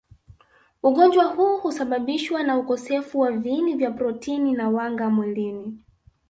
Ugonjwa huu husababishwa na ukosefu wa viini vya protini na wanga mwilini